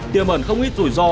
tiềm ẩn không ít rủi ro